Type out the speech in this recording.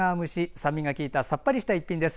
酸味が効いたさっぱりした一品です。